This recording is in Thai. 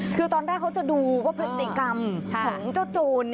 คือตอนแรกเขาจะดูว่าพฤติกรรมของเจ้าโจร